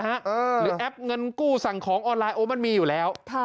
แอปเงินกู้สั่งของออนไลน์โอ้มันมีอยู่แล้ว